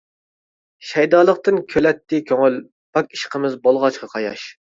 شەيدالىقتىن كۈلەتتى كۆڭۈل، پاك ئىشقىمىز بولغاچقا قاياش.